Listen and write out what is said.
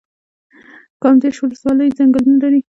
کامدیش ولسوالۍ ځنګلونه لري؟